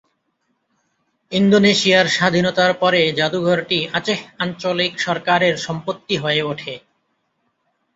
ইন্দোনেশিয়ার স্বাধীনতার পরে যাদুঘরটি আচেহ আঞ্চলিক সরকারের সম্পত্তি হয়ে ওঠে।